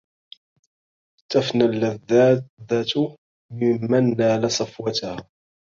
تفنى اللذاذة ممن نال صفوتها